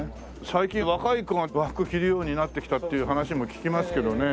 最近若い子が和服着るようになってきたっていう話も聞きますけどね。